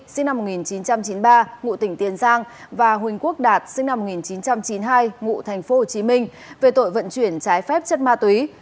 sinh năm một nghìn chín trăm chín mươi ba ngụ tỉnh tiền giang và huỳnh quốc đạt sinh năm một nghìn chín trăm chín mươi hai ngụ tp hcm về tội vận chuyển trái phép chất ma túy